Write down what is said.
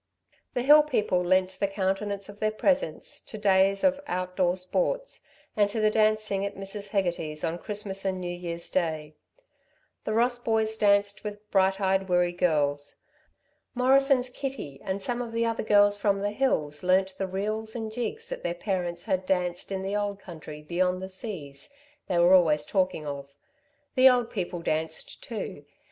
The hill people lent the countenance of their presence to days of out door sports, and to the dancing at Mrs. Hegarty's on Christmas and New Year's day. The Ross boys danced with bright eyed Wirree girls. Morrison's Kitty and some of the other girls from the hills learnt the reels and jigs that their parents had danced in the country beyond the seas, they were always talking of. The old people danced too.